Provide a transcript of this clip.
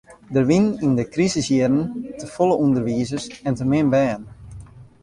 Der wienen yn de krisisjierren te folle ûnderwizers en te min bern.